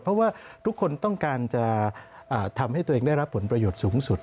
เพราะว่าทุกคนต้องการจะทำให้ตัวเองได้รับผลประโยชน์สูงสุด